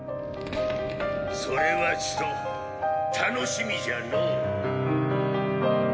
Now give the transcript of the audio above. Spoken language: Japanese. それはちと楽しみじゃのォ。